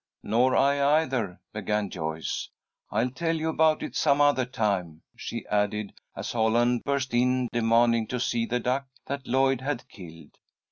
"Nor I, either," began Joyce. "I'll tell you about it some other time," she added, as Holland burst in, demanding to see the duck that Lloyd had killed.